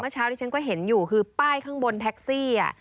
เช้าที่ฉันก็เห็นอยู่คือป้ายข้างบนแท็กซี่